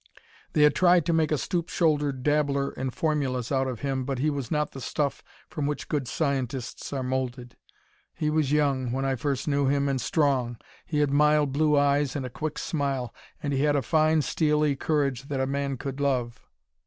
They had tried to make a stoop shouldered dabbler in formulas out of him, but he was not the stuff from which good scientists are moulded. He was young, when I first knew him, and strong; he had mild blue eyes and a quick smile. And he had a fine, steely courage that a man could love.